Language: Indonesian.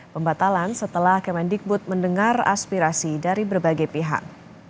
pembatalan setelah kemendikbud mendengar aspirasi dari berbagai pihak